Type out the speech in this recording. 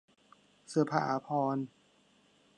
เสื้อผ้าอาภรณ์